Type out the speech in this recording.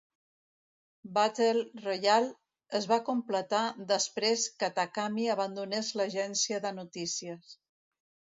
"Battle Royale" es va completar després que Takami abandonés l'agència de notícies.